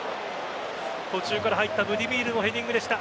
途中から入ったブディミールのヘディングでした。